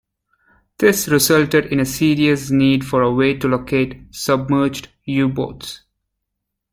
This resulted in a serious need for a way to locate submerged U-boats.